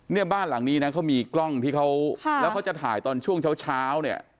เนี่ยบ้านหลังนี้นะเขามีกล้องที่เขาแล้วเขาจะถ่ายตอนช่วงเช้าเนี่ย